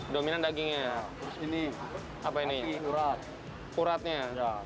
dominan dagingnya terus ini apa ini uratnya